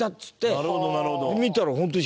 なるほどなるほど。